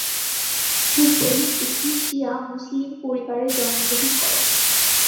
হুসেইন একটি শিয়া মুসলিম পরিবারে জন্মগ্রহণ করেন।